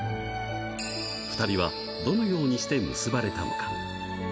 ２人はどのようにして結ばれたのか。